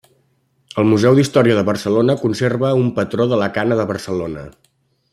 El Museu d'Història de Barcelona conserva un patró de la cana de Barcelona.